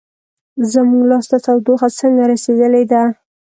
زموږ لاس ته تودوخه څنګه رسیدلې ده؟